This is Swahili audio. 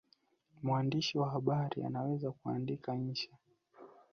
Mwandishi wa habari anaweza kuandika insha